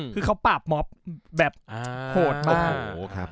คือเขาปราบมอบแบบโหดมาก